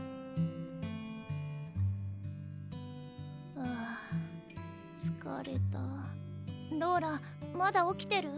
あぁつかれたローラまだ起きてる？